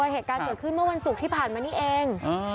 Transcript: เหตุการณ์เกิดขึ้นเมื่อวันศุกร์ที่ผ่านมานี่เอง